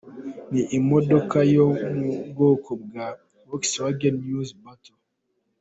Ni imodoka yo mu bwoko bwa Volkswagen New Beetle.